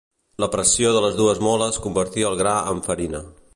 La pressió de les dues moles convertia el gra amb farina.